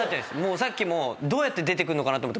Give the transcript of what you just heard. さっきもどうやって出てくるのかなと思って。